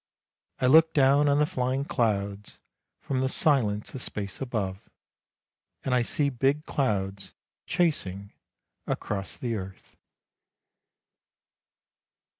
I look down on the flying clouds, from the silence of space above, and I see big clouds chasing across the earth."